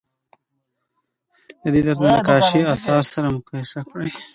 د دې درس د نقاشۍ اثار سره مقایسه کړئ.